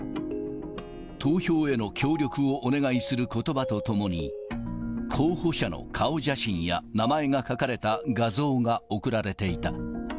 投票への協力をお願いすることばとともに、候補者の顔写真や名前が書かれた画像が送られていた。